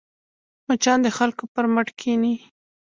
مچان د خلکو پر مټ کښېني